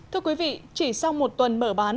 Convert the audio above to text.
thưa quý vị chỉ sau một tuần mở